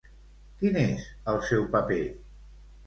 Quin és el seu paper?